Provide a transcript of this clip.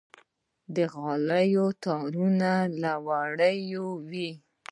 د غالۍ تارونه له وړۍ وي.